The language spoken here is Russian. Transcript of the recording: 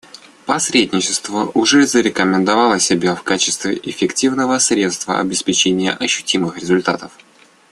Посредничество уже зарекомендовало себя в качестве эффективного средства обеспечения ощутимых результатов.